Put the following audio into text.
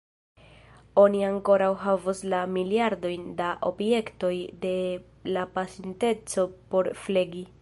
Oni ankoraŭ havos la miliardojn da objektoj de la pasinteco por flegi.